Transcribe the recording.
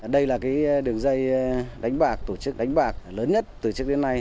đây là đường dây đánh bạc tổ chức đánh bạc lớn nhất từ trước đến nay